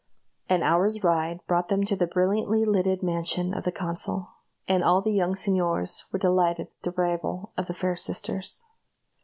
An hour's ride brought them to the brilliantly lighted mansion of the consul, and all the young señors were delighted at the arrival of the fair sisters.